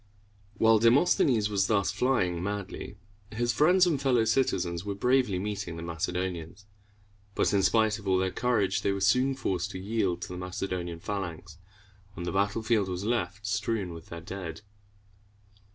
While Demosthenes was thus flying madly, his friends and fellow citizens were bravely meeting the Macedonians; but, in spite of all their courage, they were soon forced to yield to the Macedonian phalanx, and the battlefield was left strewn with their dead.